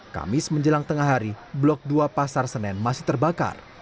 kamis menjelang tengah hari blok dua pasar senen masih terbakar